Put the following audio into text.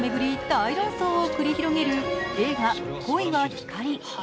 大論争を繰り広げる映画「恋は光」。